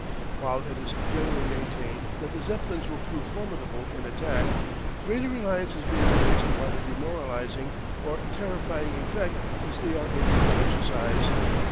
While it is generally maintained that the Zeppelins will prove formidable in attack, greater reliance is being placed upon the demoralising or terrifying effect which they are able to exercise.